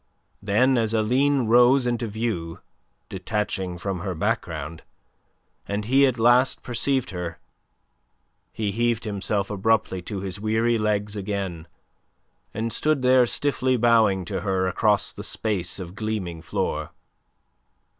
Then, as Aline rose into view, detaching from her background, and he at last perceived her, he heaved himself abruptly to his weary legs again, and stood there stiffly bowing to her across the space of gleaming floor.